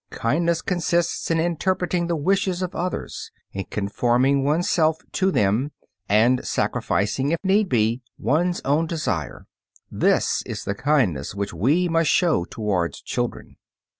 Kindness consists in interpreting the wishes of others, in conforming one's self to them, and sacrificing, if need be, one's own desire. This is the kindness which we must show towards children.